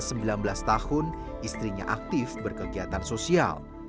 sejak berusia sembilan belas tahun istrinya aktif berkegiatan sosial